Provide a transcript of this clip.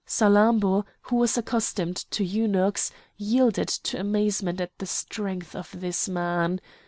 Salammbô, who was accustomed to eunuchs, yielded to amazement at the strength of this man.